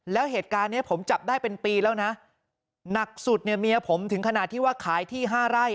แล้วเหตุการณ์เนี้ยผมจับได้เป็นปีแล้วนะหนักสุดเนี่ยเมียผมถึงขนาดที่ว่าขายที่ห้าไร่